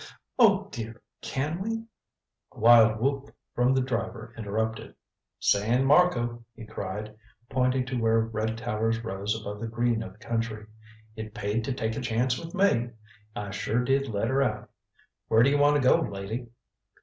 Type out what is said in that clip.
"Oh, dear can we" A wild whoop from the driver interrupted. "San Marco," he cried, pointing to where red towers rose above the green of the country. "It paid to take a chance with me. I sure did let her out. Where do you want to go, lady?"